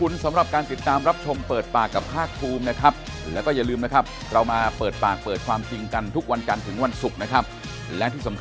เงินดีจริงใช่ไหม